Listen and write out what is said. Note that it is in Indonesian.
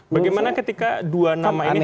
bagaimana ketika dua nama ini head to head